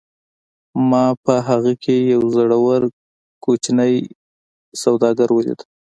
ما په هغه کې یو زړور کوچنی سوداګر ولید